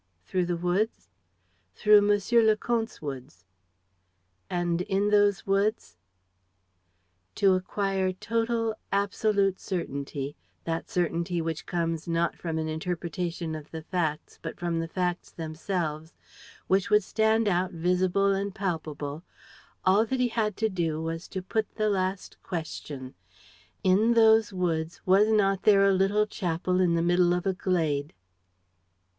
"Through the woods?" "Through Monsieur le Comte's woods." "And in those woods ..." To acquire total, absolute certainty, that certainty which comes not from an interpretation of the facts but from the facts themselves, which would stand out visible and palpable, all that he had to do was to put the last question: in those woods was not there a little chapel in the middle of a glade?